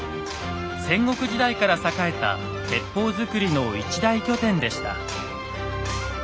戦国時代から栄えた鉄砲作りの一大拠点でした。